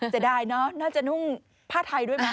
จะได้นะน่าจะนุ่งผ้าไทยด้วยมั้ย